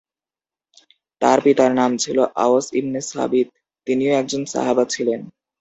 তার পিতার নাম ছিলো আওস ইবনে সাবিত, তিনিও একজন সাহাবা ছিলেন।